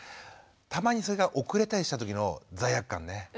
たまにそれが遅れたりした時の罪悪感ね。